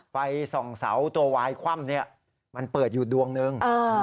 ไฟส่องเสาตัววายคว่ำเนี่ยมันเปิดอยู่ดวงหนึ่ง